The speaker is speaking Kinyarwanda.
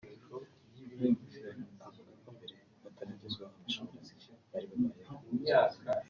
Avuga ko mbere bataragezwaho amashanyarazi bari babayeho mu buzima bubi kuko bacanaga petelori cyangwa itoroshi bikabagora kubyigurira